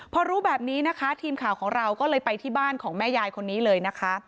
พอรู้แบบนี้นะคะทีมข่าวของเราก็เลยไปที่บ้านของแม่ยายคนนี้เลยนะคะ